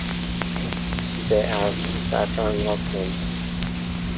They are fraternal twins.